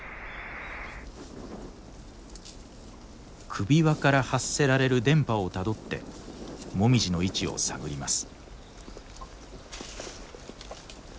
首輪から発せられる電波をたどってもみじの位置を探ります。